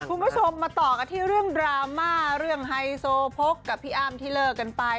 คุณผู้ชมมาต่อกันที่เรื่องดราม่าเรื่องไฮโซพกกับพี่อ้ำที่เลิกกันไป